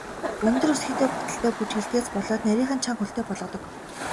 Өндөр өсгийтэй гуталтай бүжиглэдгээс болоод нарийхан, чанга хөлтэй болгодог.